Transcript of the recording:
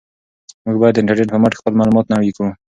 موږ باید د انټرنیټ په مټ خپل معلومات نوي کړو.